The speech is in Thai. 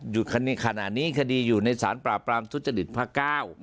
อยู่ขณะนี้คดีอยู่ในศาลปราบรามทุศจฤษภาค๙